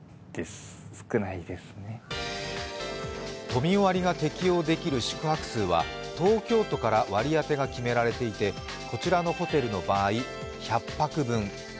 都民割が適用できる宿泊数は東京都から割り当てが決められていてこちらのホテルの場合１００泊分。